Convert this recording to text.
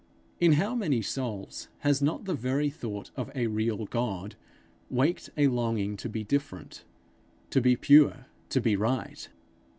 In how many souls has not the very thought of a real God waked a longing to be different, to be pure, to be right!